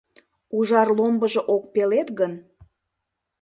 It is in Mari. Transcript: Ужар ломбыжо ок пелед гын